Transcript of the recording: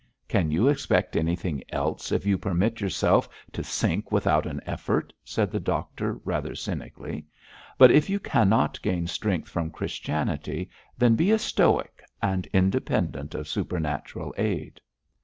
'Can you expect anything else if you permit yourself to sink without an effort?' said the doctor, rather cynically; 'but if you cannot gain strength from Christianity, then be a Stoic, and independent of supernatural aid.'